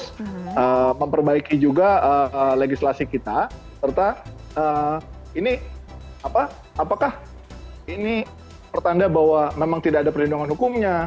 terus memperbaiki juga legislasi kita serta ini apakah ini pertanda bahwa memang tidak ada perlindungan hukumnya